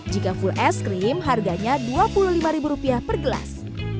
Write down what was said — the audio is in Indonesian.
jika full es krim harganya rp dua puluh lima per gelas